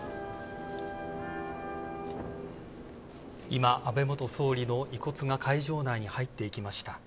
今、安倍元総理の遺骨が会場内に入っていきました。